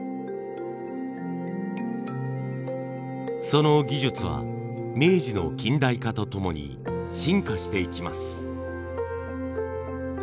その技術は明治の近代化とともに進化していきます。